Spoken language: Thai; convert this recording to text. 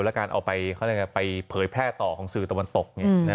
และการเอาไปเขาเรียกว่าไปเผยแพร่ต่อของสื่อตะวันตก